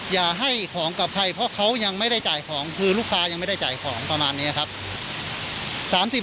อย่าให้ของกับใครเพราะเขายังไม่ได้จ่ายของคือลูกค้ายังไม่ได้จ่ายของประมาณนี้ครับ